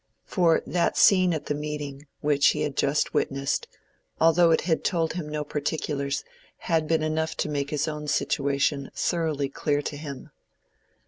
For that scene at the meeting, which he had just witnessed, although it had told him no particulars, had been enough to make his own situation thoroughly clear to him.